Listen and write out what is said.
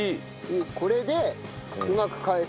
これでうまくねっ？